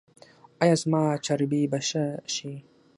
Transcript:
ایا زما چربي به ښه شي؟